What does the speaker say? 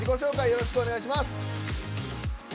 よろしくお願いします。